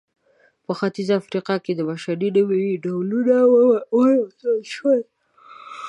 په ختیځه افریقا کې د بشر نوي ډولونه وروزل شول.